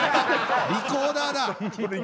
リコーダーだ！